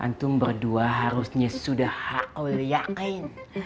antum berdua harusnya sudah allah yakin